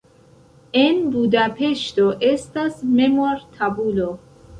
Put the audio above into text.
En Budapeŝto estas memortabulo.